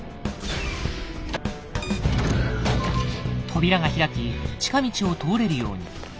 扉が開き近道を通れるように。